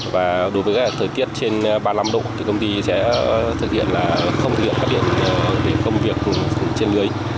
và đối với thời tiết trên ba mươi năm độ thì công ty sẽ thực hiện là không thực hiện cắt điện để công việc trên lưới